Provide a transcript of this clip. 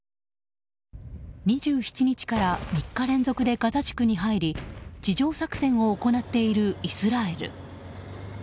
２７日から３日連続でガザ地区に入り地上作戦を行っているイスラエル。